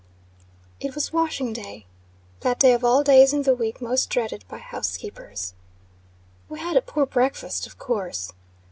IT was "washing day;" that day of all days in the week most dreaded by housekeepers. We had a poor breakfast, of course.